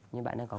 nhưng bạn ấy có